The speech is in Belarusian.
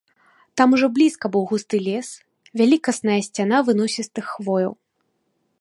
Там ужо блізка быў густы лес, вялікасная сцяна выносістых хвояў.